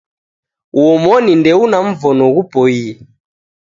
Uomoni ndeuna mvono ghupoie